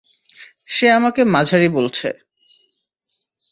সে আমাকে মাঝারি বলছে।